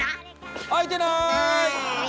開いてない！